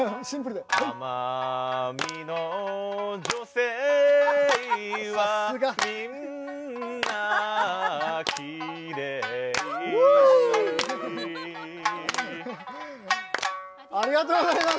奄美の女性はみんなきれいありがとうございます！